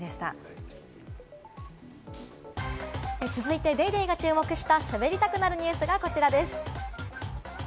続いて『ＤａｙＤａｙ．』が注目した、しゃべりたくなるニュスがこちらです。